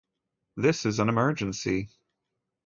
This is an emergency!